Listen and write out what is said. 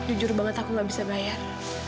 jujur banget aku gak bisa bayar